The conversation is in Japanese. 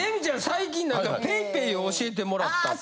最近何かＰａｙＰａｙを教えてもらったって。